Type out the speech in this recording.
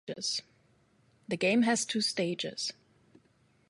The game has two stages.